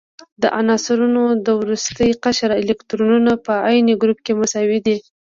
د عنصرونو د وروستي قشر الکترونونه په عین ګروپ کې مساوي دي.